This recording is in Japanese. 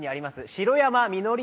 城山みのり